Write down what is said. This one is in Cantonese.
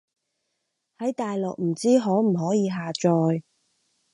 喺大陸唔知可唔可以下載